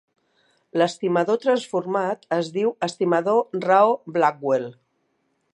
L'estimador transformat es diu estimador Rao-Blackwell.